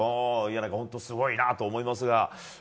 本当にすごいなと思いますが。